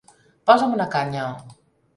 Posa'm una canya!